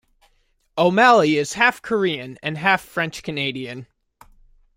O'Malley is half Korean and half French-Canadian.